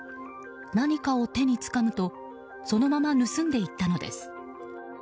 何かを手につかむとそのまま盗んでいったのです。